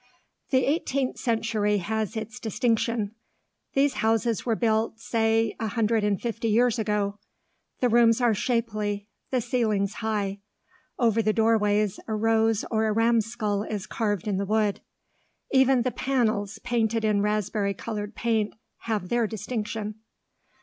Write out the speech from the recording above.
The eighteenth century has its distinction. These houses were built, say, a hundred and fifty years ago. The rooms are shapely, the ceilings high; over the doorways a rose or a ram's skull is carved in the wood. Even the panels, painted in raspberry coloured paint, have their distinction.